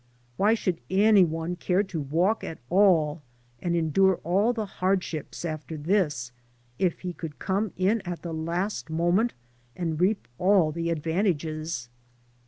Why should any one care to walk at all and endure all the hardships after this, if he could come in at the last moment and reap all the advantages?